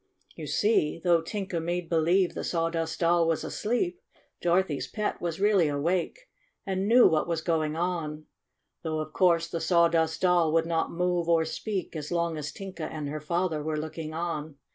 You see, though Tinka made believe the Sawdust Doll was asleep, Dorothy's pet was really awake, and knew what was go ing on. Though, of course, the Sawdust Doll would not move or speak as long as Tinka and her father were looking on.